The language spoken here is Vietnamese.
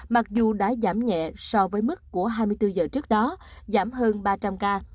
mặc dù đã giảm nhẹ so với mức của hai mươi bốn giờ trước đó giảm hơn ba trăm linh ca